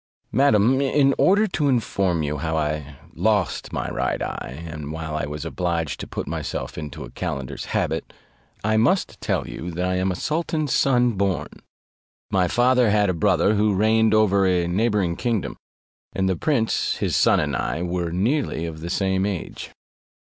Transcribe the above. Madam, in order to inform you how I lost my right eye, and why I was obliged to put myself into a calender's habit, I must tell you, that I am a sultan's son born: my father had a brother who reigned over a neighbouring kingdom; and the prince his son and I were nearly of the same age.